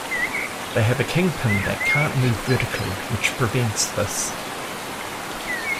They have a kingpin that can't move vertically which prevents this.